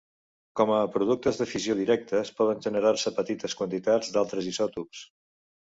Com a productes de fissió directes poden generar-se petites quantitats d'altres isòtops.